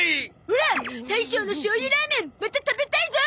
オラ大将のしょうゆラーメンまた食べたいゾ！